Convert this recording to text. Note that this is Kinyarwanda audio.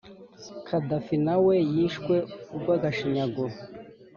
kadaffi nawe yishwe urwgashinyaguro